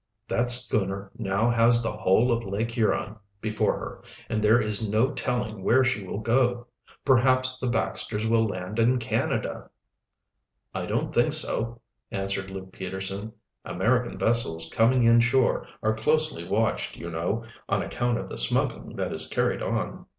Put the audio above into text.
"That schooner now has the whole of Lake Huron before her, and there is no telling where she will go. Perhaps the Baxters will land in Canada." "I don't think so," answered Luke Peterson. "American vessels coming in shore are closely watched, you know, on account of the smuggling that is carried on."